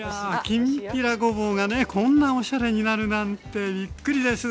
きんぴらごぼうがねこんなおしゃれになるなんてびっくりです。